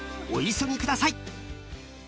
［お急ぎください］